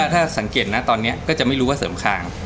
ถ้าสังเกตนะตอนนี้ก็จะไม่รู้ว่าเสริมคาง